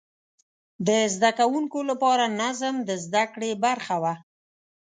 د زده کوونکو لپاره نظم د زده کړې برخه وه.